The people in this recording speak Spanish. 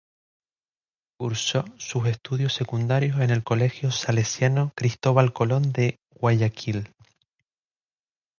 Cursó sus estudios secundarios en el Colegio Salesiano Cristóbal Colón de Guayaquil.